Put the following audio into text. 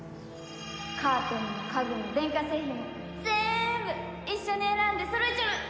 カーテンも家具も電化製品もぜんぶ一緒に選んでそろえちゃる！